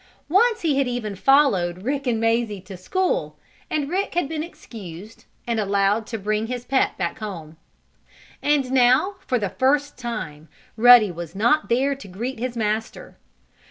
Once he had even followed Rick and Mazie to school, and Rick had been excused, and allowed to bring his pet back home. And now, for the first time, Ruddy was not there to greet his master.